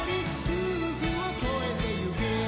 「夫婦を超えてゆけ」